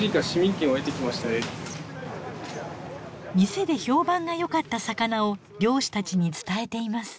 店で評判がよかった魚を漁師たちに伝えています。